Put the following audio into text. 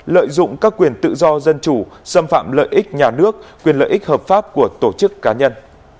lợi dụng các quyền tự do dân chủ xâm phạm lợi ích nhà nước quyền lợi ích hợp pháp của tổ chức cá nhân